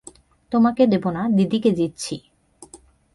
তোমাকে দেব না, দিদিকে দিচ্ছি।